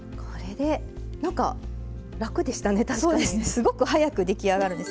すごく早く出来上がるんです。